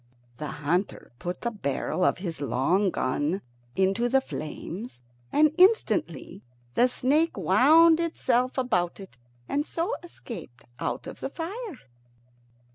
The hunter put the barrel of his long gun into the flames, and instantly the snake wound itself about it, and so escaped out of the fire.